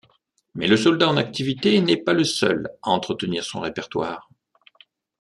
Mais le soldat en activité n’est pas le seul à entretenir son répertoire.